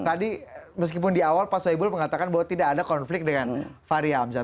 tadi meskipun di awal pak soebul mengatakan bahwa tidak ada konflik dengan fahri hamzah